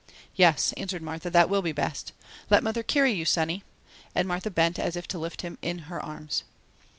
"Yes," answered Martha, "that will be best. Let mother carry you, sonny!" and Martha bent as if to lift him in her arms.